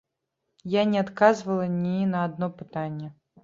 Я не адказвала ні на адно пытанне.